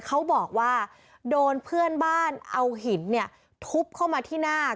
เขาบอกว่าโดนเพื่อนบ้านเอาหินเนี่ยทุบเข้ามาที่หน้า